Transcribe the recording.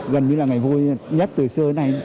gần như là ngày vui nhất từ xưa